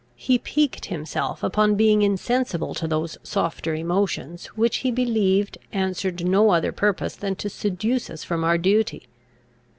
He piqued himself upon being insensible to those softer emotions, which, he believed, answered no other purpose than to seduce us from our duty.